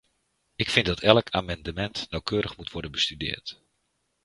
Ik vind dat elk amendement nauwkeurig moet worden bestudeerd.